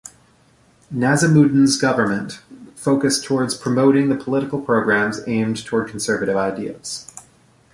Nazimuddin's government focused towards promoting the political programs aimed towards conservative ideas.